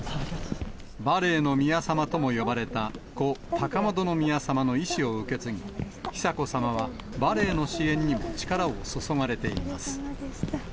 バレエの宮さまとも呼ばれた故・高円宮さまの遺志を受け継ぎ、久子さまはバレエの支援にも力を注がれています。